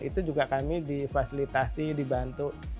itu juga kami difasilitasi dibantu